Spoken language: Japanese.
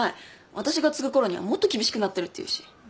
私が継ぐころにはもっと厳しくなってるっていうし。